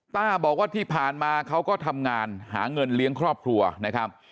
ต้าบอกว่าที่ผ่านมาเขาก็ทำงานหาเงินเลี้ยงครอบครัวนะครับ